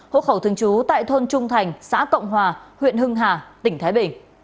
hộ khẩu thường trú tại thôn trung thành xã cộng hòa huyện hưng hà tỉnh thái bình